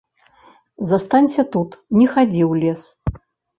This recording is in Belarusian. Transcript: Застанься тут, не хадзі ў лес.